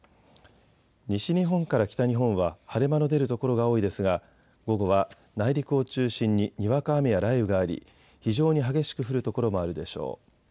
西日本から北日本は晴れ間の出る所が多いですが午後は内陸を中心ににわか雨や雷雨があり非常に激しく降る所もあるでしょう。